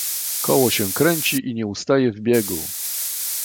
"Koło się kręci i nie ustaje w biegu!..."